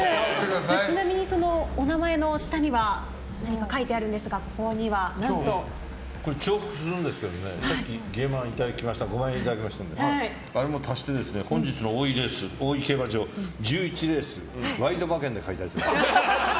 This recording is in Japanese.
ちなみにお名前の下には何か書いてあるんですが重複するんですがさっき５万円いただきましたのであれも足して、本日の大井競馬場１１レース、ワイド馬券で買いたいと思います。